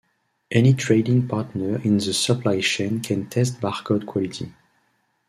Any trading partner in the supply chain can test barcode quality.